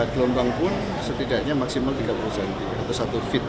gelombang pun setidaknya maksimal tiga puluh cm atau satu feet